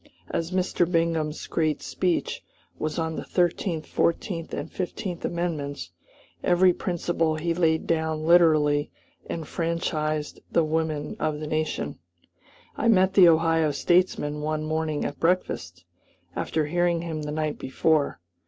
As Mr. Bingham's great speech was on the Thirteenth, Fourteenth, and Fifteenth Amendments, every principle he laid down literally enfranchised the women of the nation. I met the Ohio statesman one morning at breakfast, after hearing him the night before.